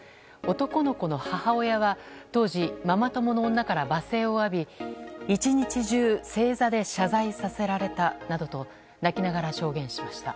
男の子の母親は当時、ママ友の女から罵声を浴び１日中正座で謝罪させられたなどと泣きながら証言しました。